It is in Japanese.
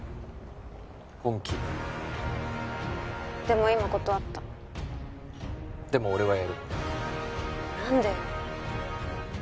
本気でも今断ったでも俺はやる何でよ